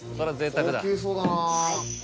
高級そうだな。